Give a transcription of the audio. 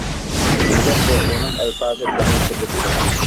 نېمە گەپ بۇ؟ -ئۇنى ئەلپازى تولىمۇ سۈرلۈك ئىدى.